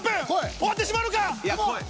終わってしまうのか。